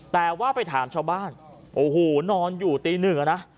แต่ว่าไปถามชาวบ้านโอ้โหนอนอยู่ตีหนึ่งอะนะ